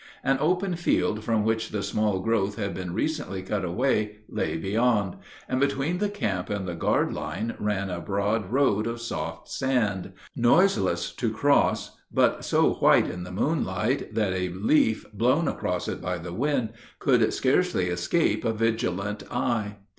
An open field from which the small growth had been recently cut away lay beyond, and between the camp and the guard line ran a broad road of soft sand noiseless to cross, but so white in the moonlight that a leaf blown across it by the wind could scarcely escape a vigilant eye.